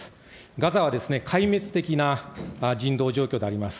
ガザは壊滅的な人道状況であります。